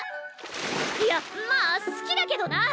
いやまあ好きだけどな！